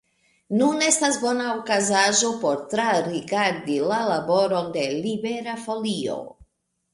Nun estas bona okazaĵo por trarigardi la laboron de Libera Folio.